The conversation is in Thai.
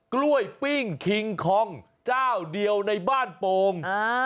กล้วยปิ้งคิงคองเจ้าเดียวในบ้านโป่ง